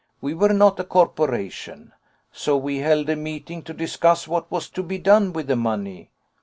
We were not a corporation. So we held a meeting to discuss what was to be done with the money.